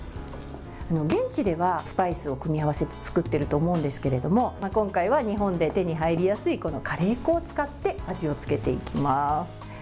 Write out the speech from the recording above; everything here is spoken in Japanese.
現地ではスパイスを組み合わせて作っていると思うんですけど今回は日本で手に入りやすいカレー粉を使って味をつけていきます。